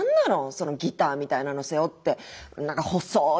そのギターみたいなの背負ってなんかほっそい